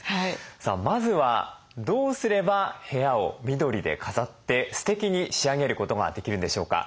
まずはどうすれば部屋を緑で飾ってステキに仕上げることができるんでしょうか。